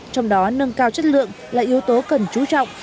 trong đó nâng cao chất lượng là yếu tố cần chú trọng